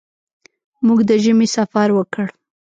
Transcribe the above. موږ د ژمي سفر وکړ.